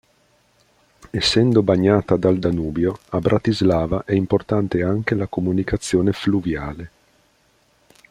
Essendo bagnata dal Danubio, a Bratislava è importante anche la comunicazione fluviale.